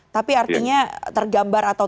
tapi artinya tergambar atau